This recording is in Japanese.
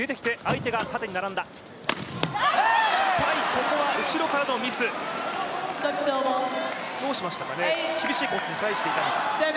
ここは後ろからのミス、どうでしましたかね、厳しいコースに返していたのか。